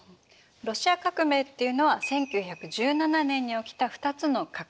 ロシア革命っていうのは１９１７年に起きた二つの革命。